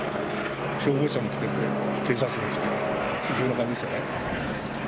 消防車も来てて、警察も来て、異常な感じですよね。